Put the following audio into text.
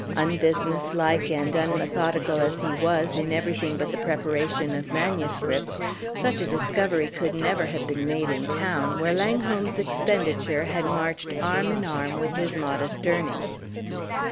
Unbusinesslike and unmethodical as he was, in everything but the preparation of MS., such a discovery could never have been made in town, where Langholm's expenditure had marched arm in arm with his modest earnings.